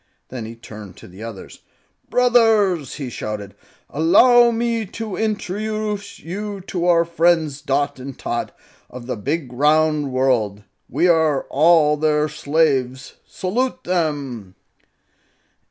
Then he turned to the others. "Brothers!" he shouted. "Allow me to introduce you to our friends Dot and Tot, of the Big Round World. We are all their slaves. Salute them!"